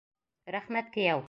Рәхмәт, кейәү!